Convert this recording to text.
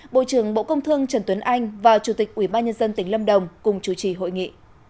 bộ công thương trần tuấn anh và chủ tịch ubnd tỉnh lâm đồng cùng chủ trì hội nghị